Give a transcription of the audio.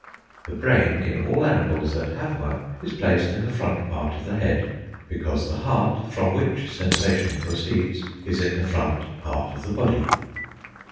The brain in all animals that have one is placed in the front part of the head ... because the heart, from which sensation proceeds, is in the front part of the body."